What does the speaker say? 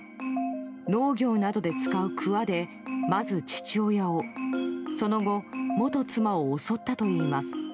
農業などで使う、くわでまず父親をその後、元妻を襲ったといいます。